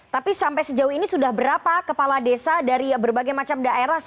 tapi sampai sejauh ini sudah berapa kepala desa dari berbagai macam daerah